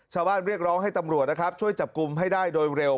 เรียกร้องให้ตำรวจนะครับช่วยจับกลุ่มให้ได้โดยเร็ว